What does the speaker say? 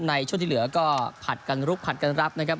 ในช่วงที่เหลือก็ผัดกันลุกผัดกันรับนะครับ